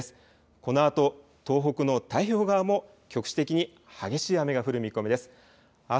このあと東北の太平洋側も局地的に激しい雨が降る見込みです。